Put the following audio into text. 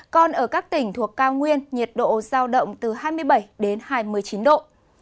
còn ở các tỉnh thuộc cao nguyên nhiệt độ giao động từ hai mươi bảy đến hai mươi chín độ